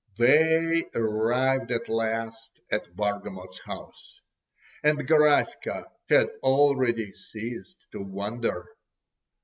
They arrived at last at Bargamot's house—and Garaska had already ceased to wonder.